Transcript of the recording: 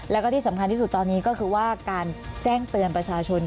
แล้วก็ที่สำคัญที่สุดตอนนี้ก็คือว่าการแจ้งเตือนประชาชน